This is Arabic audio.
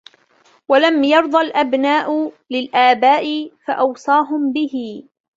وَلَمْ يَرْضَ الْأَبْنَاءَ لِلْآبَاءِ فَأَوْصَاهُمْ بِهِمْ